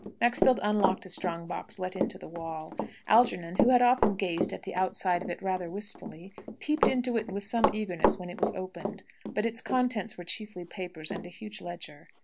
Maxfield unlocked a strong box let into the wall. Algernon who had often gazed at the outside of it rather wistfully peeped into it with some eagerness when it was opened; but its contents were chiefly papers and a huge ledger.